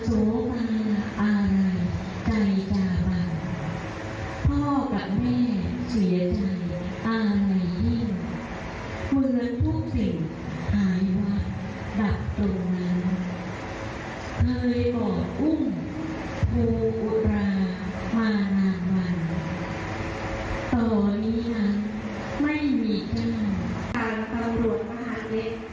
เฮยบอกอุ้งโทรามานานวันตอนนี้ไม่มีทาง